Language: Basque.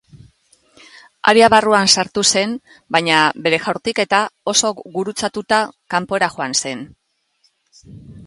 Area barruan sartu zen, baina bere jaurtiketa oso gurutzatuta kanpora joan zen.